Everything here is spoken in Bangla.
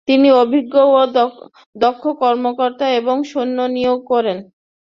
তিনি অভিজ্ঞ ও দক্ষ কর্মকর্তা এবং সৈন্য নিয়োগ করেন।